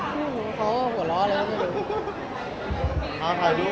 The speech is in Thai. เขาหัวเราะอะไรก็ไม่รู้